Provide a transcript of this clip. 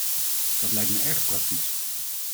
Dat lijkt me erg praktisch.